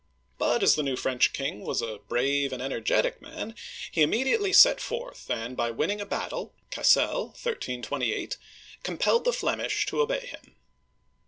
But as the new French king was a brave and energetic man, he immediately set forth, and, by win ning a battle (Cassel, 1328), compelled the Flemish to obey him.